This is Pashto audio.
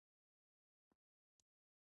د بزګرانو اتحادیه څنګه جوړه کړم؟